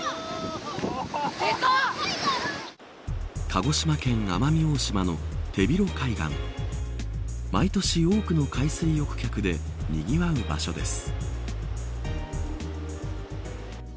鹿児島県奄美大島の手広海岸、毎年多くの海水浴客で、にぎわう場所です。